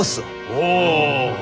おお。